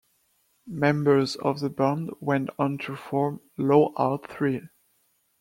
Members of the band went on to form Low Art Thrill.